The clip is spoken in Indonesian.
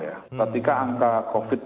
ya ketika angka covid